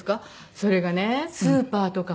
それがねスーパーとかをね